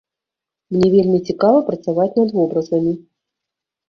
Мне вельмі цікава працаваць над вобразамі.